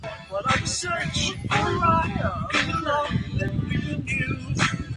Marshall was named Most Valuable Player of the tournament.